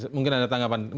mungkin ada tanggapan